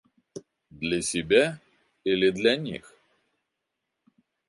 Для себя — или для них?